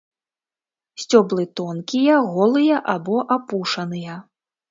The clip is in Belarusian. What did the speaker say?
Сцёблы тонкія, голыя або апушаныя.